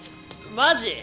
マジ！？